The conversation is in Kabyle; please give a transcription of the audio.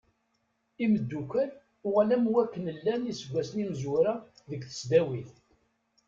Imddukal uɣal am wakken llan iseggasen imezwura deg tesdawit.